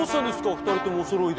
２人ともおそろいで。